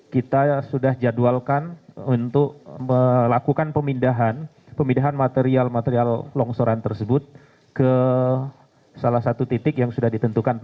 kita sudah jadwalkan untuk melakukan pemindahan pemindahan material material longsoran tersebut ke salah satu titik yang sudah ditentukan